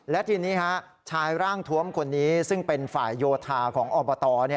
และทีนี้ชายร่างทวมคนนี้ซึ่งเป็นฝ่ายโยธาของอบต